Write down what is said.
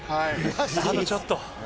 あとちょっと。